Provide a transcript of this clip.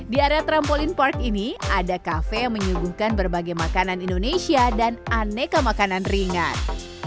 di area trampolin park ini ada kafe yang menyuguhkan berbagai makanan indonesia dan aneka makanan ringan